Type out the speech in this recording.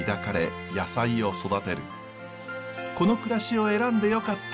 この暮らしを選んでよかった。